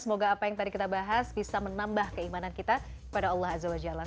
semoga apa yang tadi kita bahas bisa menambah keimanan kita kepada allah azawajala